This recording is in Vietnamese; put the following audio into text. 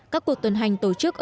các cuộc tuần hành tổ chức ở